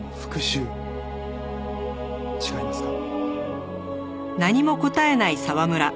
違いますか？